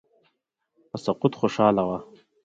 په سقوط خوشاله وه.